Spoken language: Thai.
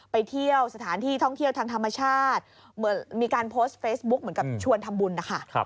ไปเที่ยวสถานที่ท่องเที่ยวทางธรรมชาติเหมือนมีการโพสต์เฟซบุ๊คเหมือนกับชวนทำบุญนะคะ